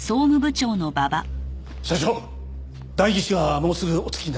社長代議士がもうすぐお着きになります。